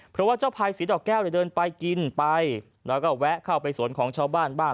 เพราะว่าเจ้าพายสีดอกแก้วเนี่ยเดินไปกินไปแล้วก็แวะเข้าไปสวนของชาวบ้านบ้าง